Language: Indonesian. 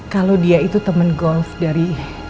kalau dia itu teman golf dari